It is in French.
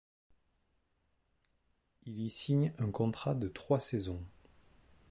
Il y signe un contrat de trois saisons.